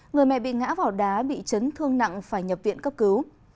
người mẹ bị ngã vào đá bị chấn thương nặng phải nhập viện cấp cứu